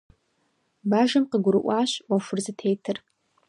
Бажэм къыгурыӏуащ ӏуэхур зытетыр.